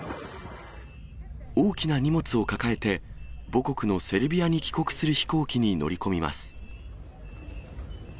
大きな荷物を抱えて、母国のセルビアに帰国する飛行機に乗り込みます。